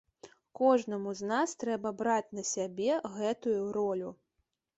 Кожнаму з нас трэба браць на сябе гэтую ролю.